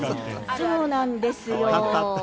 そうなんですよ。